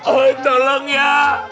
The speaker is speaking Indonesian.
oh tolong ya